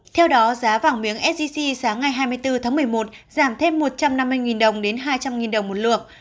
theo đó giá vàng miếng sgc sáng ngày hai mươi bốn tháng một mươi một giảm thêm một trăm năm mươi đồng đến hai trăm linh đồng một lượng